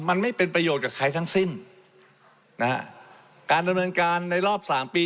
มันไม่เป็นประโยชน์กับใครทั้งสิ้นนะฮะการดำเนินการในรอบสามปี